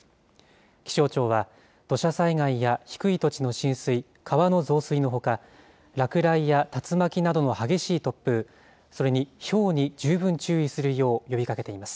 気象庁は、土砂災害や低い土地の浸水、川の増水のほか、落雷や竜巻などの激しい突風、それにひょうに十分注意するよう呼びかけています。